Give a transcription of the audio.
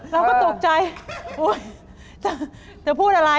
เราก็ตกใจโอ๊ยจะพูดอะไร